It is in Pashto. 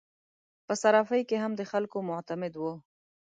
په صرافي کې هم د خلکو معتمد وو.